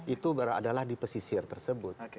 itu adalah di pesisir tersebut